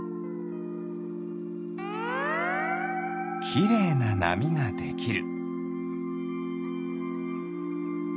きれいななみができる。